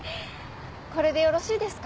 これでよろしいですか？